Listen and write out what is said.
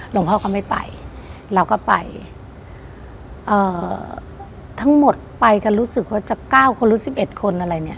หลวงพ่อก็ไม่ไปเราก็ไปเอ่อทั้งหมดไปกันรู้สึกว่าจะเก้าคนหรือสิบเอ็ดคนอะไรเนี่ย